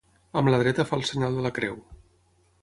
Amb la dreta fa el senyal de la creu.